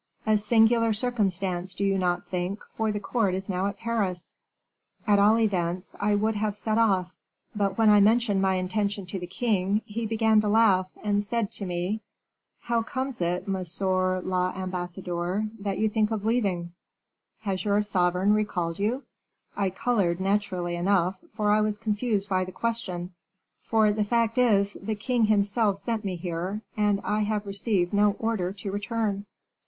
"A singular circumstance, do you not think, for the court is now at Paris? At all events, I would have set off; but when I mentioned my intention to the king, he began to laugh, and said to me, 'How comes it, monsieur l'amassadeur, that you think of leaving? Has your sovereign recalled you?' I colored, naturally enough, for I was confused by the question; for the fact is, the king himself sent me here, and I have received no order to return."